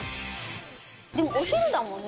でもお昼だもんね